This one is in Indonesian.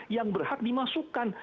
yang berhak dimasukkan